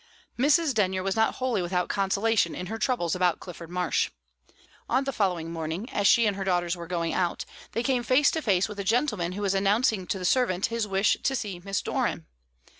Mrs. Denyer was not wholly without consolation in her troubles about Clifford Marsh. On the following morning, as she and her daughters were going out, they came face to face with a gentleman who was announcing to the servant his wish to see Miss Doran.